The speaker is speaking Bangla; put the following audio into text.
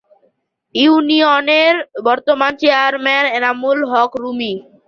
ইউনিয়নের বর্তমান চেয়ারম্যান এনামুল হক রুমি।